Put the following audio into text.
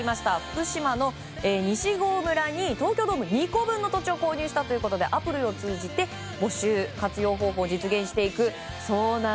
福島の西郷村に東京ドーム２個分の土地を購入したということでアプリを通じて活用方法を募集するという。